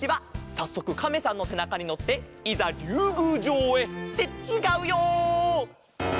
さっそくカメさんのせなかにのっていざりゅうぐうじょうへ。ってちがうよ！